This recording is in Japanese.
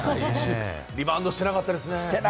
リバウンドしてなかったですね。